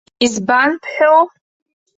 Избан бҳәоу?